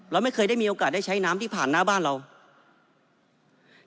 เราไม่เคยได้มีโอกาสได้ใช้น้ำที่ผ่านหน้าบ้านเรา